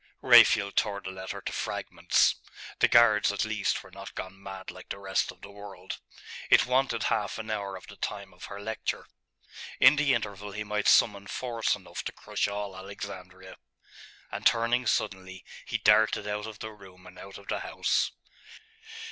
Raphael tore the letter to fragments.... The guards, at least, were not gone mad like the rest of the world. It wanted half an hour of the time of her lecture. In the interval he might summon force enough to crush all Alexandria. And turning suddenly, he darted out of the room and out of the house.